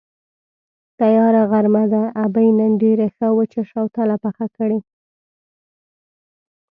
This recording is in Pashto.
تیاره غرمه ده، ابۍ نن ډېره ښه وچه شوتله پخه کړې.